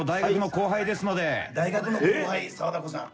大学の後輩沢田幸二さん。